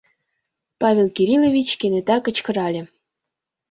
— Павел Кириллович кенета кычкырале.